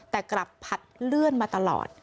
แต่กลับผัดเลื่อนมาตลอด